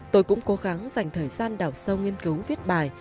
tôi cũng cố gắng dành thời gian đào sâu nghiên cứu viết bài